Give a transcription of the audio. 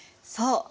そう。